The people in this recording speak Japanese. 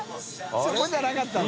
そこじゃなかったんだ。